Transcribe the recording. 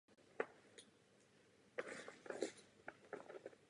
To můžeme přijmout jako dokázaný fakt.